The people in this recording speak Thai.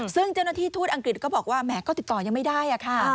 ซึ่งเจ้าหน้าที่ทูตอังกฤษก็บอกว่าแหมก็ติดต่อยังไม่ได้ค่ะ